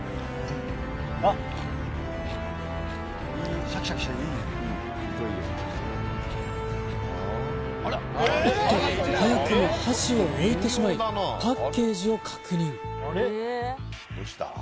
おっと早くも箸を置いてしまいパッケージを確認